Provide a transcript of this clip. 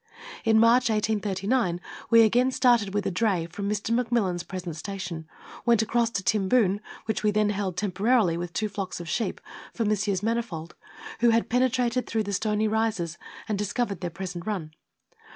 In March 1839 we again started with a dray from Mr. McMillan's present station, went across to Timboon, which we then held temporarily with two flocks of sheep for Messrs. Mani fold, who had penetrated through the Stony Rises, and discovered their present run.